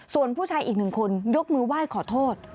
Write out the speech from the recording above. ส่วนผู้ชายอีกหนึ่งคนยกมือไหว้ขอโทษ